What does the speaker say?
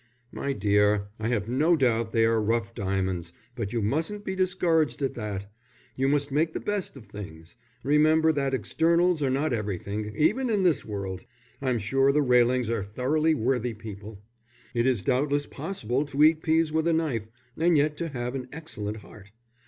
"My dear, I have no doubt they are rough diamonds, but you mustn't be discouraged at that. You must make the best of things. Remember that externals are not everything even in this world. I'm sure the Railings are thoroughly worthy people. It is doubtless possible to eat peas with a knife, and yet to have an excellent heart.